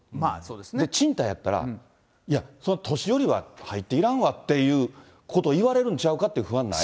賃貸やったら、いや、そんな年寄りは入っていらんわっていうこと、言われるんちゃうかって、不安ない？